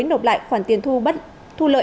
nộp lại khoản tiền thu lợi